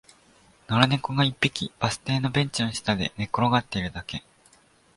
野良猫が一匹、バス停のベンチの下で寝転がっているだけ